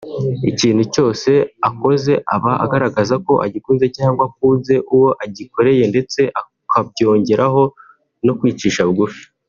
Ikintu cyose akoze aba agaragaza ko agikunze cyangwa akunze uwo agikoreye ndetse akabyongeraho no kwicisha bugufi